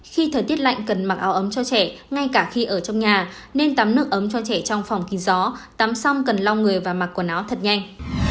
khi thời tiết lạnh cần mặc áo ấm cho trẻ ngay cả khi ở trong nhà nên tắm nước ấm cho trẻ trong phòng kín gió tắm sông cần long người và mặc quần áo thật nhanh